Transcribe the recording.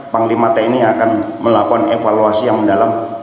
panglima t ini akan melakukan evaluasi yang mendalam